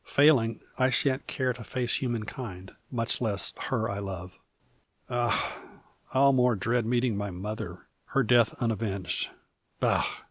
Failing, I shan't care to face human kind, much less her I love. Ah! I'll more dread meeting my mother her death unavenged. Bah!